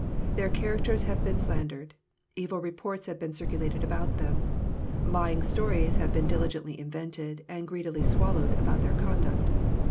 Their characters have been slan dered. Evil reports have been circulated about them. Lying stories have been diligently invented, and greedily swallowed, about their conduct.